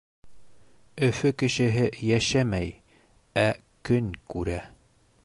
Өфө кешеһе йәшәмәй, ә көн күрә.